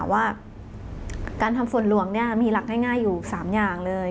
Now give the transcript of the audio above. ว่าการทำฝนหลวงมีหลักง่ายอยู่๓อย่างเลย